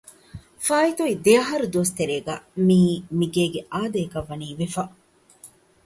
ފާއިތުވި ދެއަހަރު ދުވަސް ތެރޭގައި މިއީ މިގޭގެ އާދައަކަށް ވަނީ ވެފަ